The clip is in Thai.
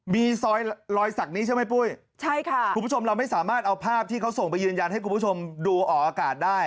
มีซอยรอยสักนี้ใช่ไหมปุ้ยใช่ค่ะคุณผู้ชมเราไม่สามารถเอาภาพที่เขาส่งไปยืนยันให้คุณผู้ชมดูออกอากาศได้